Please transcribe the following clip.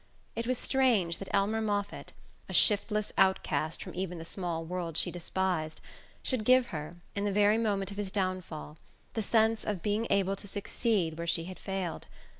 It was strange that Elmer Moffatt, a shiftless out cast from even the small world she despised, should give her, in the very moment of his downfall, the sense of being able to succeed where she had failed.